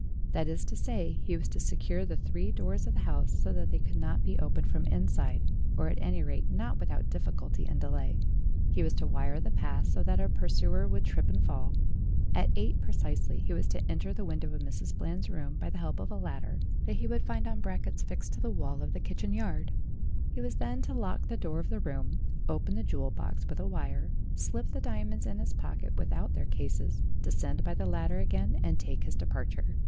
That is to say, he was to secure the three doors of the A DEVIL, A BOY, A DESIGNER 159 house so that they could not be opened from inside, or, at any rate, not without difficulty and delay; he was to wire the paths so that a pursuer would trip and fall ; at eight precisely he was to enter the window of Mrs. Eland's room by the help of a ladder that he would find on brackets fixed to the wall of the kitchen yard; he was then to lock the door of the room, open the jewel box with a wire, slip the diamonds in his pocket with out their cases, descend by the ladder again, and take his departure.